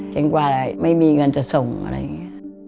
เต็มกว่าอะไรไม่มีเงินจะส่งอะไรอย่างนี้